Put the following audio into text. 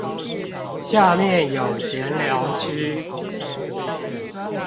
下面有閒聊區